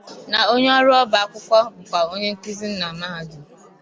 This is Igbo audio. na onye ọrụ ọba akwụkwọ bụkwa onye nkuzi na mahadum